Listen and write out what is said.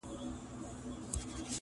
• نوري زرکي به په تا څنګه باور کړي -